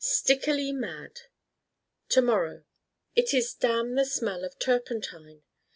Stickily mad To morrow It is damn the Smell of Turpentine!